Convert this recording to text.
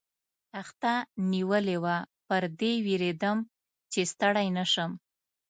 تخته نیولې وه، پر دې وېرېدم، چې ستړی نه شم.